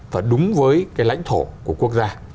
và đúng với cái lãnh thổ của quốc gia